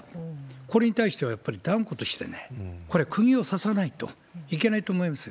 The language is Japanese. これに対してはやっぱり断固として、これ、くぎを刺さないといけないと思いますよ。